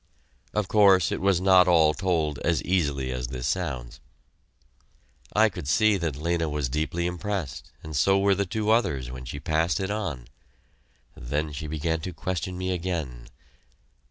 Of course it was not all told as easily as this sounds. I could see that Lena was deeply impressed, and so were the two others when she passed it on. Then she began to question me again.